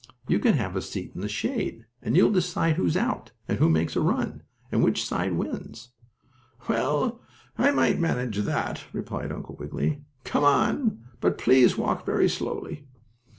"You can have a seat in the shade, and you will decide who's out, and who makes a run, and which side wins." "Well, I might manage that," replied Uncle Wiggily. "Come on, but please walk very slowly."